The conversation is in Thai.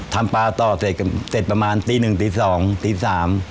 ทำปลาต่อเสร็จเสร็จประมาณตีหนึ่งตีสองตีสาม